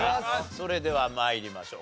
それでは参りましょう。